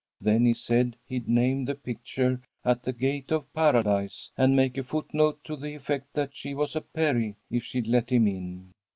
Then he said he'd name the picture 'At the Gate of Paradise,' and make a foot note to the effect that she was a Peri, if she'd let him in.